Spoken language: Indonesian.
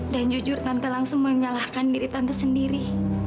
dan jujur tante langsung menyalahkan diri tante sendiri